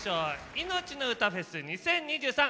「いのちのうたフェス２０２３」